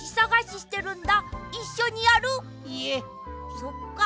そっか。